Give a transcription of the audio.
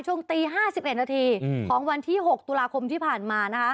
ช่วงตี๕๑นาทีของวันที่๖ตุลาคมที่ผ่านมา